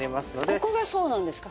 ここがそうなんですか？